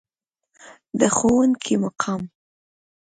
د ښوونکي مقام.